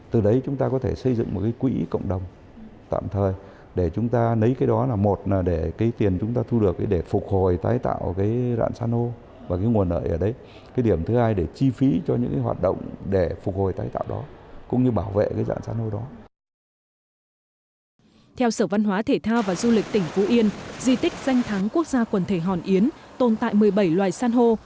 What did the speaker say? theo sở văn hóa thể thao và du lịch tỉnh phú yên di tích danh thắng quốc gia quần thể hòn yến tồn tại một mươi bảy loài san hô